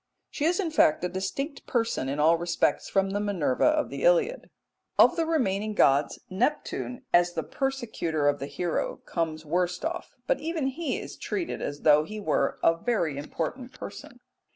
She is, in fact, a distinct person in all respects from the Minerva of the Iliad. Of the remaining gods Neptune, as the persecutor of the hero, comes worst off; but even he is treated as though he were a very important person.